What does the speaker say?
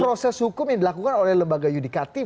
proses hukum yang dilakukan oleh lembaga yudikatif